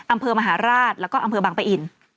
อำเภอมหาราชแล้วก็อำเภอบางปะอิน